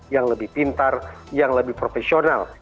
yang lebih pintar yang lebih profesional